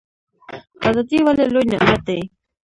ازادي ولې لوی نعمت دی؟